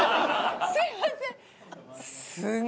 すいません！